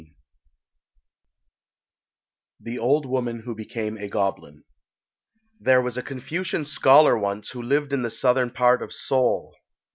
XVII THE OLD WOMAN WHO BECAME A GOBLIN There was a Confucian scholar once who lived in the southern part of Seoul.